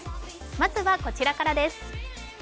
まずはこちらからです。